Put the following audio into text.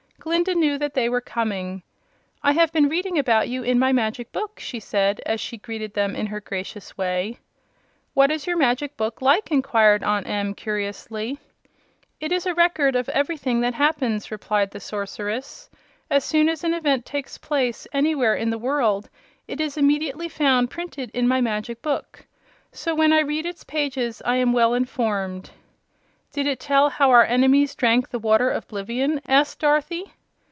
Glinda knew that they were coming. "I have been reading about you in my Magic Book," she said, as she greeted them in her gracious way. "What is your Magic Book like?" inquired Aunt Em, curiously. "It is a record of everything that happens," replied the Sorceress. "As soon as an event takes place, anywhere in the world, it is immediately found printed in my Magic Book. So when I read its pages I am well informed." "Did it tell you how our enemies drank the Water of 'Blivion?" asked Dorothy.